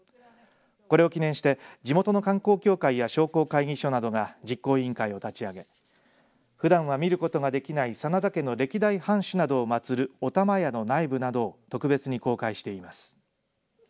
これを記念して地元の観光協会や商工会議所などが実行委員会を立ち上げふだんは見ることができない真田家の歴代藩主などを祭る御霊屋の内部などを特別に公開しています。